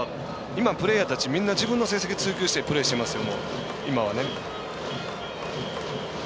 今、プレーヤーたちみんな自分の成績追求してますよ。